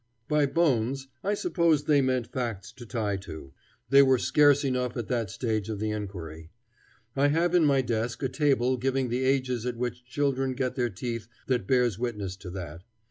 By "bones" I suppose they meant facts to tie to. They were scarce enough at that stage of the inquiry. I have in my desk a table giving the ages at which children get their teeth that bears witness to that.